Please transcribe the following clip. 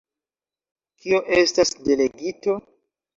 Kio estas delegito?